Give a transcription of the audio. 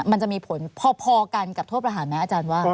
มันจะมีผลพอกันกับโทษประหารไหมอาจารย์ว่า